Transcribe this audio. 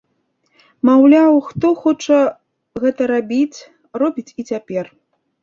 Маўляў, хто хоча гэта рабіць, робіць і цяпер.